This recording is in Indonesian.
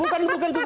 bukan bukan itu